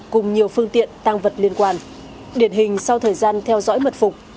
cùng nhiều phương tiện tăng vật liên quan điển hình sau thời gian theo dõi mật phục